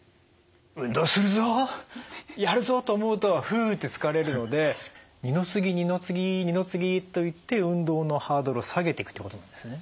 運動するぞやるぞと思うとふうって疲れるので二の次二の次二の次といって運動のハードルを下げていくってことなんですね。